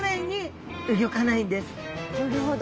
なるほど。